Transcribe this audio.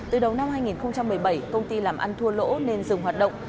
từ đầu năm hai nghìn một mươi bảy công ty làm ăn thua lỗ nên dừng hoạt động